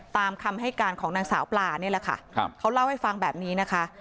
ตามคำให้การของนางสาวปลานี่แหละค่ะเขาเล่าให้ฟังแบบนี้นะคะ